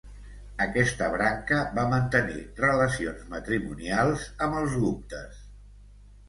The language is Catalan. Aquesta branca va mantenir relacions matrimonials amb els guptes.